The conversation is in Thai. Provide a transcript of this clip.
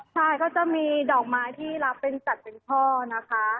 ใช่ก็จะมีดอกไม้ที่รับเป็นจัดเป็นพ่อนะคะ